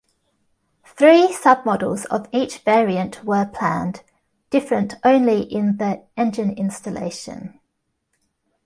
Three sub-models of each variant were planned, different only in the engine installation.